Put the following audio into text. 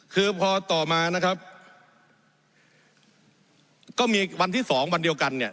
คือพอต่อมานะครับก็มีวันที่สองวันเดียวกันเนี่ย